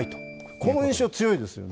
この印象、強いですよね。